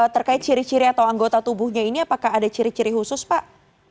terkait ciri ciri atau anggota tubuhnya ini apakah ada ciri ciri khusus pak